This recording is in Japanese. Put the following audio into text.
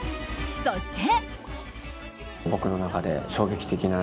そして。